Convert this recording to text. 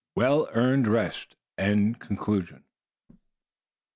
WELL EARNED REST CONCLUSION.